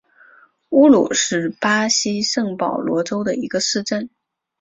乌鲁是巴西圣保罗州的一个市镇。